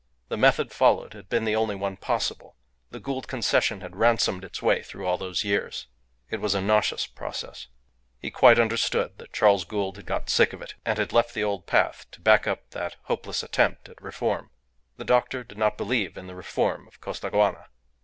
The method followed had been the only one possible. The Gould Concession had ransomed its way through all those years. It was a nauseous process. He quite understood that Charles Gould had got sick of it and had left the old path to back up that hopeless attempt at reform. The doctor did not believe in the reform of Costaguana.